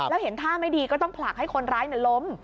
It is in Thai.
แล้วเห็นท่าไม่ดีก็ต้องผลักให้คนร้ายล้ม